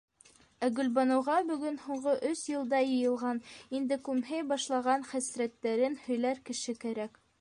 Ә Гөлбаныуға бөгөн һуңғы өс йылда йыйылған, инде күмһей башлаған хәсрәттәрен һөйләр кеше кәрәк.